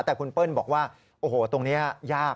แต่คุณเปิ้ลบอกว่าโอ้โหตรงนี้ยาก